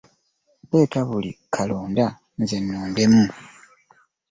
Leeta buli kalonda nze nnondemu.